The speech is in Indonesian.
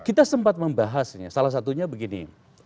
kita sempat membahasnya salah satunya begini